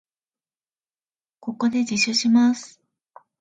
ここで自首します。